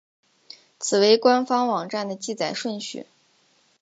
此为官方网站的记载顺序。